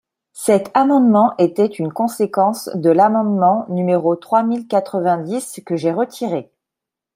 Cet amendement était une conséquence de l’amendement numéro trois mille quatre-vingt-dix, que j’ai retiré.